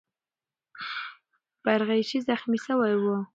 بیرغچی زخمي سوی وو.